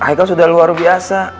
ika sudah luar biasa